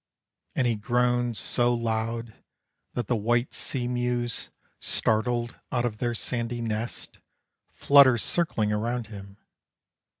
And he groans so loud that the white sea mews, Startled out of their sandy nests, Flutter circling around him.